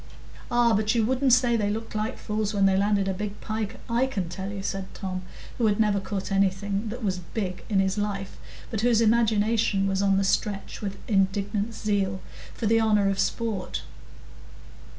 "Ah, but you wouldn't say they looked like fools when they landed a big pike, I can tell you," said Tom, who had never caught anything that was "big" in his life, but whose imagination was on the stretch with indignant zeal for the honour of sport.